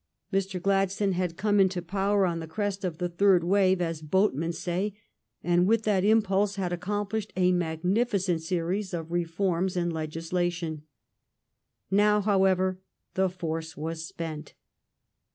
Mr. Gladstone had come into power on the crest of the third wave, as boatmen say, and with that impulse had accomplished a magnificent series of reforms in legislation. Now, however, the force was spent.